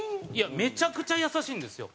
めちゃくちゃ優しいんですよ。